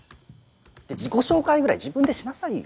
って自己紹介ぐらい自分でしなさいよ。